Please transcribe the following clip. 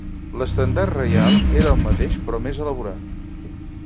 L'estendard reial era el mateix però més elaborat.